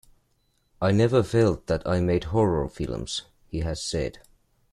I never felt that I made 'horror films', he has said.